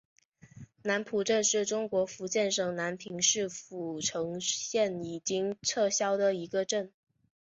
南浦镇是中国福建省南平市浦城县已经撤销的一个镇。